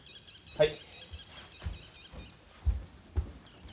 はい。